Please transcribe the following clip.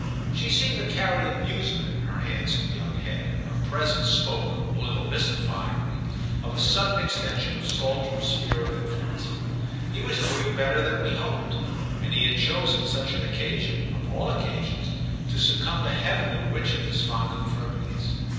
She seemed to carry amusement in her handsome young head, and her presence spoke, a little mystifyingly, of a sudden extension of Saltram's sphere of influence. He was doing better than we hoped, and he had chosen such an occasion, of all occasions, to succumb to heaven knew which of his fond infirmities.